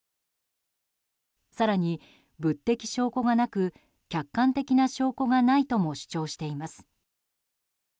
更に物的証拠がなく、客観的な証拠がないとも主張しています。